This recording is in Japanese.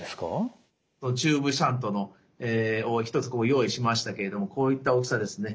チューブシャントを１つ用意しましたけれどもこういった大きさですね。